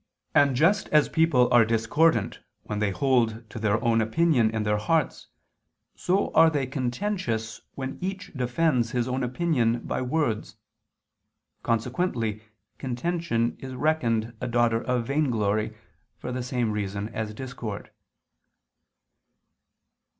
And just as people are discordant when they hold to their own opinion in their hearts, so are they contentious when each defends his own opinion by words. Consequently contention is reckoned a daughter of vainglory for the same reason as discord.